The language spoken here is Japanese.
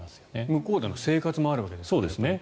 向こうでの生活もあるわけですからね。